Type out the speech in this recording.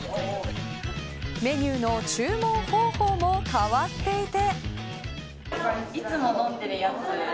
メニューの注文方法も変わっていて。